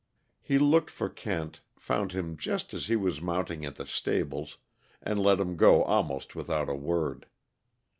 He looked for Kent, found him just as he was mounting at the stables, and let him go almost without a word.